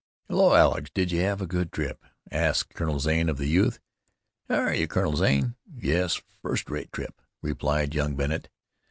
"Hello, Alex, did you have a good trip?" asked Colonel Zane of the youth. "H'are ye, Colonel Zane. Yes, first rate trip," replied young Bennet.